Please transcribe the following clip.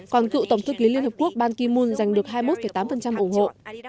còn cựu tổng thư ký liên hợp quốc ban ki moon giành được hai mươi một tám ủng hộ